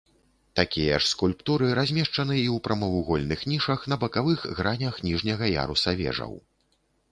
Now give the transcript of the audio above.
Такія ж скульптуры размешчаны і ў прамавугольных нішах на бакавых гранях ніжняга яруса вежаў.